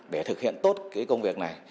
để thực hiện tốt công việc này